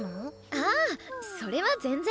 ああそれは全然。